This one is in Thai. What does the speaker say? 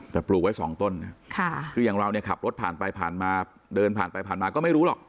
แต่ปลูกไว้สองต้นคืออย่างเราเนี่ยขับรถผ่านไปผ่านมาเดินผ่านไปผ่านมาก็ไม่รู้หรอก